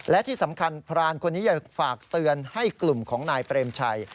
และที่สำคัญพรานคนนี้อยากฝากเตือนให้กลุ่มของนายเปรมชัย